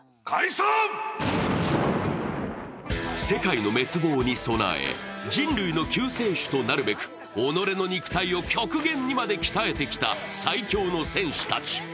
世界の滅亡に備え、人類の救世主となるべく己の肉体を極限にまで鍛えてきた最強の戦士たち。